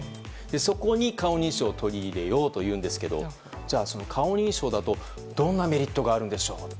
そこに顔認証を取り入れようというんですがじゃあ、顔認証だとどんなメリットがあるんでしょう。